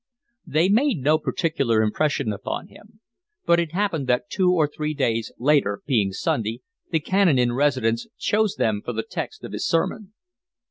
They made no particular impression on him, but it happened that two or three days later, being Sunday, the Canon in residence chose them for the text of his sermon.